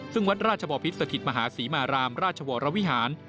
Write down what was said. ซึ่งวัดราชบอพิษสถิตมหาศรีมารามราชวรวิหาร